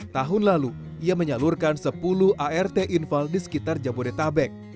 tahun lalu ia menyalurkan sepuluh art infal di sekitar jabodetabek